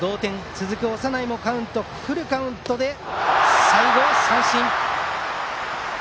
続く長内もカウントフルカウントで最後は三振。